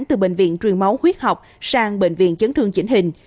từ bệnh viện truyền máu huyết học sang bệnh viện chấn thương chỉnh hình